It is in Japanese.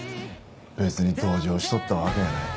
別に同情しとったわけやない。